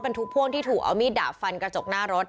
ทุกพ่วงที่ถูกเอามีดดาบฟันกระจกหน้ารถ